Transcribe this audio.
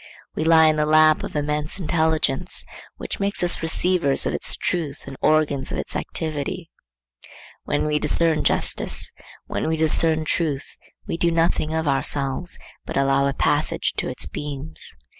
We lie in the lap of immense intelligence, which makes us receivers of its truth and organs of its activity. When we discern justice, when we discern truth, we do nothing of ourselves, but allow a passage to its beams.